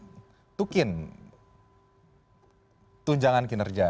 jadi itu adalah tunjangan kinerja